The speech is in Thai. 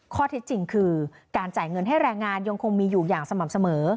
ข้อเท็จจริงคือการจ่ายเงินให้แรงงานยังคงมีอยู่อย่างสม่ำเสมอ